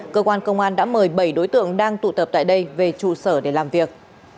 cơ quan công an đã mời bảy đối tượng đang tụ tập tại đây về trụ sở để làm việc